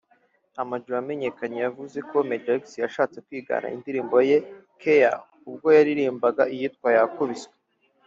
Ama G wamenyekanye yavuze ko Major X yashatse kwigana indirimbo ye ``Care’’ ubwo yaririmbaga iyitwa ``Nakubiswe’’